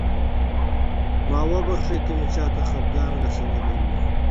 ما وبښئ که مې چاته خفګان رسولی وي.